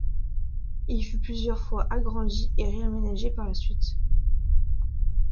Il fut plusieurs fois agrandi et réaménagé par la suite.